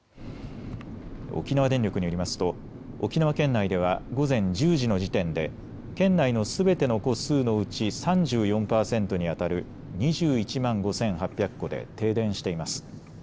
沖縄電力によりますと沖縄県内では午前１０時の時点で県内のすべての戸数のうち３４％にあたる２１万５８００戸で停電しています。